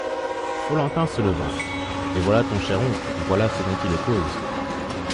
Follentin se levant. — Et voilà ton cher oncle, voilà ce dont il est cause !